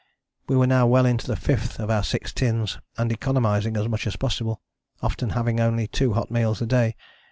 We were now well in to the fifth of our six tins, and economizing as much as possible, often having only two hot meals a day.